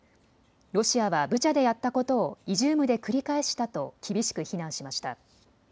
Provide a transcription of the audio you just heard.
ロシアはブチャでやったことをイジュームで繰り返したと厳しく非難しました。